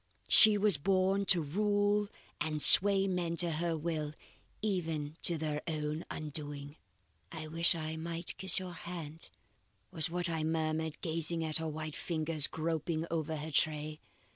She was born to rule and sway men to her will even to their own undoing." "'I wish I might kiss your hand,' was what I murmured, gazing at her white fingers groping over her tray.